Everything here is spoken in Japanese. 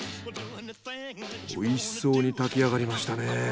おいしそうに炊き上がりましたね。